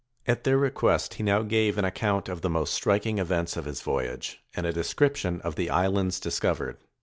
At their request, he now gave an account of the most striking events of his voyage, and a description of the islands discovered.